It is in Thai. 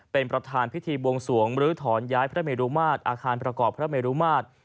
เป็นประธานพิธีบวงสวงรื้อถอนย้ายพระเมรุมาตรอาคารประกอบพระเมรุมาตร